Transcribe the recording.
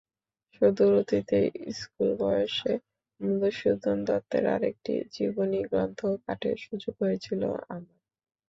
সুদূর অতীতে, স্কুলবয়সে মধুসূদন দত্তের আরেকটি জীবনীগ্রন্থ পাঠের সুযোগ হয়েছিল আমার।